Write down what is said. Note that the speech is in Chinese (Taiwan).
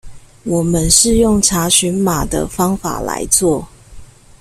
我們是用查詢碼的方法來做